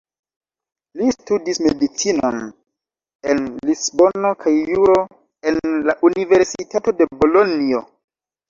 Li studis medicinon en Lisbono kaj juro en la Universitato de Bolonjo.